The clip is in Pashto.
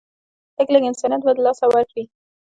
لږ لږ انسانيت به د لاسه ورکړي